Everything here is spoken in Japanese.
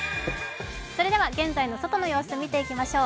それでは現在の外の様子見ていきましょう。